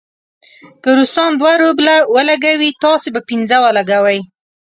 که روسان دوه روبله ولګوي، تاسې به پنځه ولګوئ.